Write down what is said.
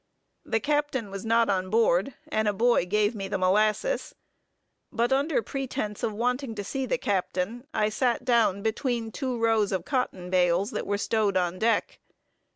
The captain was not on board, and a boy gave me the molasses; but, under pretence of waiting to see the captain, I sat down between two rows of cotton bales that were stowed on deck.